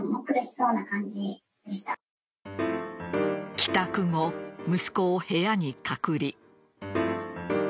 帰宅後、息子を部屋に隔離。